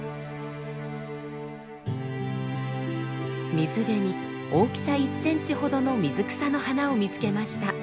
水辺に大きさ１ｃｍほどの水草の花を見つけました。